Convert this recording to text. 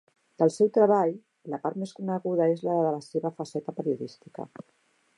Del seu treball, la part més coneguda és la de la seva faceta periodística.